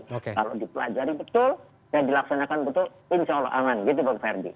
kalau dipelajari betul dan dilaksanakan betul insya allah aman gitu bang ferdi